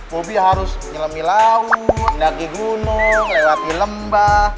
bobby harus nyelami laut mendaki gunung lewati lembah